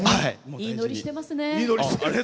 いいノリしてますね。